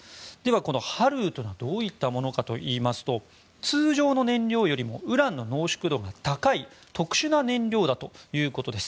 このＨＡＬＥＵというのはどういうものかといいますと通常の燃料よりもウランの濃縮度が高い特殊な燃料だということです。